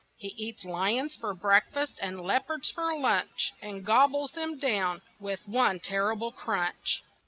He eats lions for breakfast And leopards for lunch, And gobbles them down With one terrible crunch.